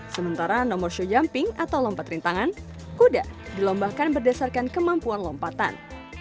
sementara nomor show jumping atau lompat rintangan kuda dilombakan berdasarkan kemampuan lompatan